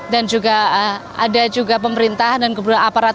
dan juga ada juga pemerintah dan kemudian aparat